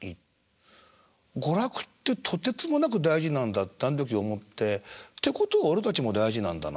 娯楽ってとてつもなく大事なんだってあの時思って。ってことは俺たちも大事なんだな。